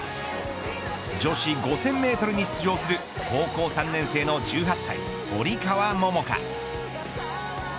女子５０００メートルに出場する高校３年生の１８歳堀川桃香。